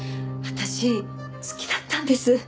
私好きだったんです。